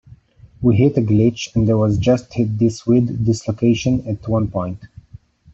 We hit a glitch and there was just this weird dislocation at one point.